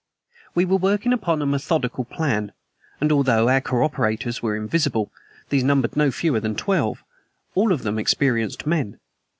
We were working upon a methodical plan, and although our cooperators were invisible, these numbered no fewer than twelve all of them experienced men.